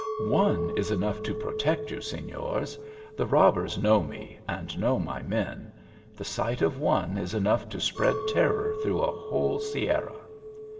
" One is enough to protect you, Signors ; the robbers know me, and know my men ; the sight of one is enough to spread terror through a whole sierra."